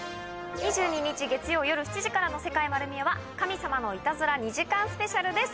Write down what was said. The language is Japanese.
２２日月曜夜７時からの『世界まる見え！』は神様のイタズラ２時間ＳＰです。